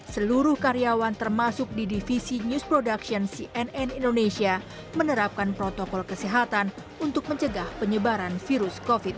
seluruh karyawan termasuk di divisi news production cnn indonesia menerapkan protokol kesehatan untuk mencegah penyebaran virus covid sembilan belas